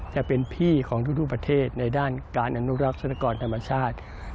จะเป็นพี่ของทุกประเทศในด้านการอนุรักษ์ธนกรธรรมชาติ